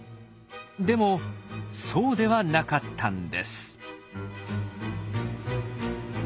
でもそうではなかったんです。